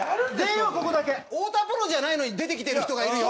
太田プロじゃないのに出てきてる人がいるよ！